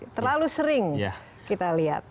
terlalu sering kita lihat